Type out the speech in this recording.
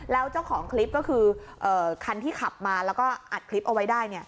แล้วเจ้าของคลิปก็คือคันที่ขับมาแล้วก็อัดคลิปเอาไว้ได้